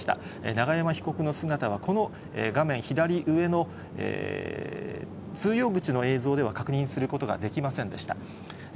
永山被告の姿は、この画面左上の通用口の映像では確認することができませんでした。